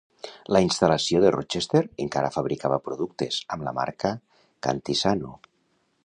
La instal·lació de Rochester encara fabricava productes amb la marca Cantisano.